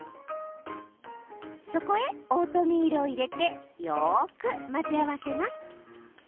そこへオートミールを入れてよく混ぜ合わせます。